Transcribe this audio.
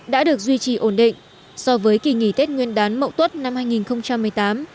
đã được duy trì ổn định so với kỳ nghỉ tết nguyên đán mậu tuất năm hai nghìn một mươi tám